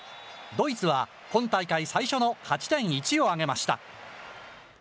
ドイツは今大会最初の勝ち点１を挙げました。